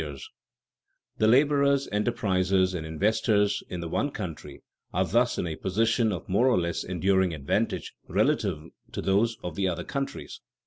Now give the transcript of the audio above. [Sidenote: Persistence of the differences] The laborers, enterprisers, and investors in the one country are thus in a position of more or less enduring advantage relative to those of the other countries.